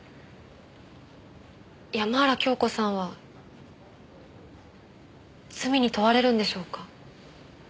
山原京子さんは罪に問われるんでしょうか？